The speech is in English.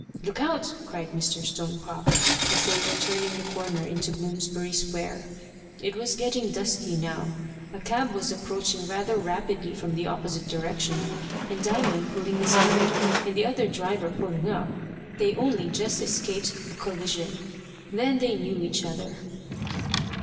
"Look out!" cried Mr. Stonecrop, as they were turning the corner into Bloomsbury Square. It was getting dusky now. A cab was approaching rather rapidly from the opposite direction, and Diamond pulling aside, and the other driver pulling up, they only just escaped a collision. Then they knew each other.